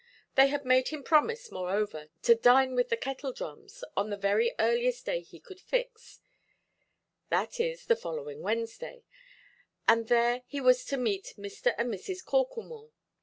They had made him promise, moreover, to dine with the Kettledrums on the very earliest day he could fix—viz. the following Wednesday—and there he was to meet Mr. and Mrs. Corklemore.